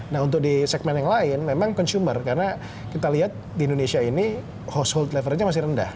nah untuk di segmen yang lain memang consumer karena kita lihat di indonesia ini household levelnya masih rendah